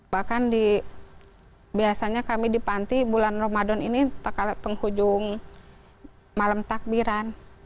bahkan biasanya kami di panti bulan ramadan ini penghujung malam takbiran